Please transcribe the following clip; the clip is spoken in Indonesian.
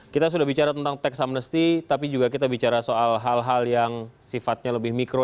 kita sudah bicara tentang tax amnesty tapi juga kita bicara soal hal hal yang sifatnya lebih mikro